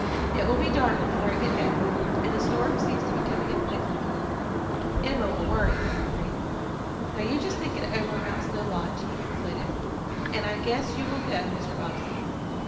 "It will be dark before I get back, and the storm seems to be coming up quickly. Emma will worry, I'm afraid. Now you just think it over about Snow Lodge," he concluded, "and I guess you will go, Mr. Bobbsey.